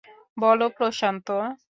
বল, প্রশান্ত।